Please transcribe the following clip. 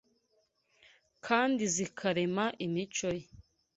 kandi zikarema imico ye